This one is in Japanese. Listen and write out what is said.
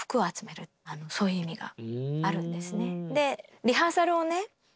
リハーサルをね